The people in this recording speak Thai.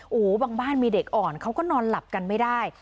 โอ้โหบางบ้านมีเด็กอ่อนเขาก็นอนหลับกันไม่ได้